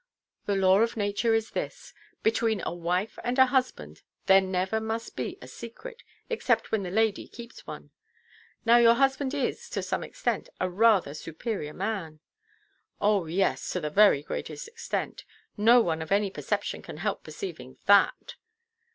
"The law of nature is this. Between a wife and a husband there never must be a secret, except when the lady keeps one. Now, your husband is, to some extent, a rather superior man——" "Oh yes, to the very greatest extent. No one of any perception can help perceiving that."